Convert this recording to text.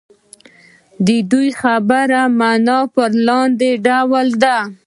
د دې خبرې معنا په لاندې ډول ده.